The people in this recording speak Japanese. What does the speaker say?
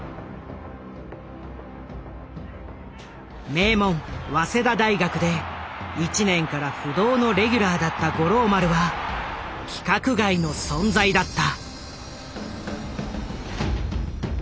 名門早稲田大学で１年から不動のレギュラーだった五郎丸は規格外の存在だった。